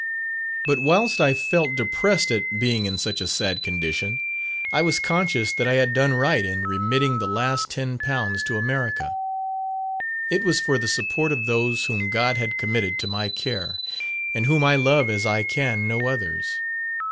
But whilst I felt depressed at being in such a sad condition, I was conscious that I had done right in remitting the last ten pounds to America. It was for the support of those whom God had committed to my care, and whom I love as I can no others.